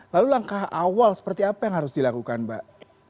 lalu langkah awal seperti apa yang harus dilakukan mbak